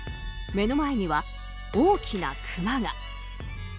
目の前には大きなクマが。